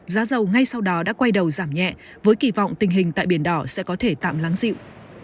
giá dầu ngay sau đó đã quay đầu giảm nhẹ với kỳ vọng tình hình tại biển đỏ sẽ có thể tạm lắng dịu